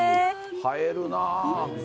映えるな。